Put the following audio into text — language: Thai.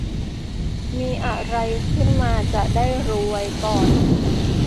มีอะไรขึ้นมาจะได้รู้ไว้ก่อน